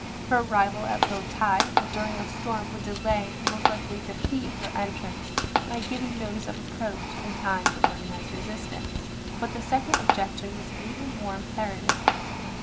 Her arrival at low tide, or during a storm, would delay and most likely defeat her entrance by giving notice of approach and time to organize resistance. But the second objection was even more impera tive.